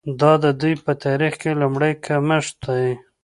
دا د دوی په تاریخ کې لومړی کمښت دی.